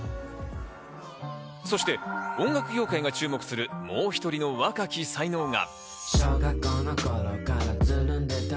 そして音楽業界が注目するもう１人の若き才能が。